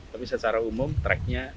tapi secara umum track nya